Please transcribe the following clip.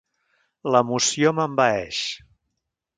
L'emoció m'envaeix.